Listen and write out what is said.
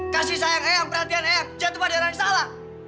kasih sayang ayah perhatian ayah jatuh pada orang yang salah